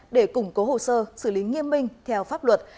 để củng cố hồ sơ xử lý nghiêm minh theo pháp luật